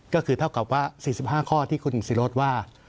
ก็คือเท่ากับว่า๔๕ข้อที่คุณศิโรธว่า